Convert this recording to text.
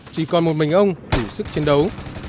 chỉ còn một mình ông đủ sức chiến đấu